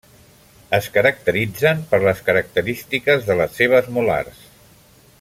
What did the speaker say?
Es caracteritzen per les característiques de les seves molars.